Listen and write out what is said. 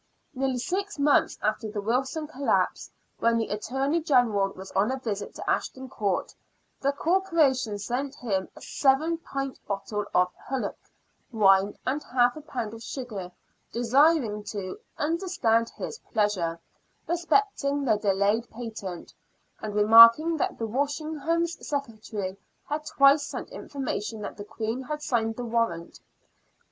Nearly six months after the Wilson collapse, when the Attorney General was on a visit to Ashton Court, the Corporation sent him a seven pint bottle of " hullock " wine and half a pound of sugar, desiring to " understand his pleasure " respecting the delayed patent, and remarking that Walsingham's secretary had twice sent information that the Queen had signed the warrant.